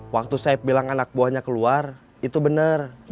waktu sayap bilang anak buahnya keluar itu bener